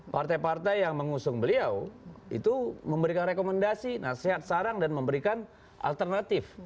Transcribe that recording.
partai partai yang mengusung beliau itu memberikan rekomendasi nasihat sarang dan memberikan alternatif